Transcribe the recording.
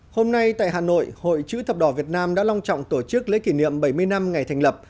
hôm nay tại hà nội hội chữ thập đỏ việt nam đã long trọng tổ chức lễ kỷ niệm bảy mươi năm ngày thành lập